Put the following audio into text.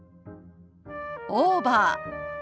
「オーバー」。